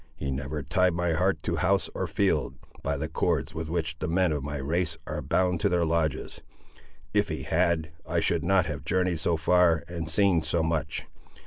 He never tied my heart to house or field, by the cords with which the men of my race are bound to their lodges; if he had, I should not have journeyed so far, and seen so much.